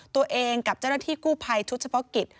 ตัวเองกับเจ้าหน้าที่กู้ภัยชุดเฉพาะกิจ